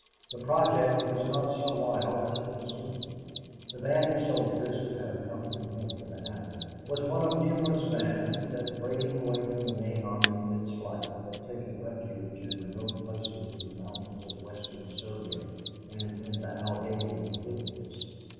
The project was not so wild as it would seem. The band of soldiers who had accompanied him to the hamlet was one of numerous bands that, breaking away from the main army in its flight, had taken refuge in remote places in the mountains of western Serbia and in the Albanian hills.